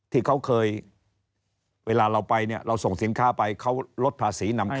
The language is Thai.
ที่เขาเคยเวลาเราไปเนี่ยเราส่งสินค้าไปเขาลดภาษีนำเข้า